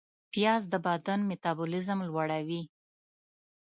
پیاز د بدن میتابولیزم لوړوي